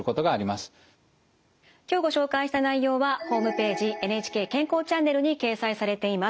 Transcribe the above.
今日ご紹介した内容はホームページ「ＮＨＫ健康チャンネル」に掲載されています。